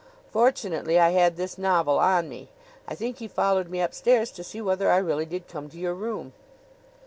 Fortunately I had this novel on me. I think he followed me upstairs to see whether I really did come to your room."